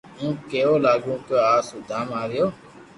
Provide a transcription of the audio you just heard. ھون ڪيوا لاگيو ڪو او سودام آويو